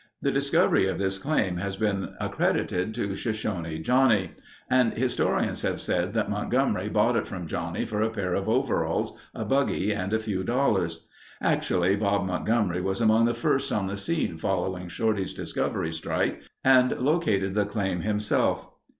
The discovery of this claim has been accredited to Shoshone Johnnie and historians have said that Montgomery bought it from Johnnie for a pair of overalls, a buggy, and a few dollars. Actually Bob Montgomery was among the first on the scene following Shorty's discovery strike and located the claim himself.